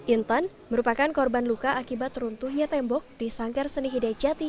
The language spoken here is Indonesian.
intan merupakan korban luka akibat runtuhnya tembok di sangkar seni hidaya jati